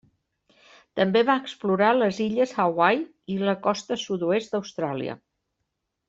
També va explorar les illes Hawaii i la costa sud-oest d'Austràlia.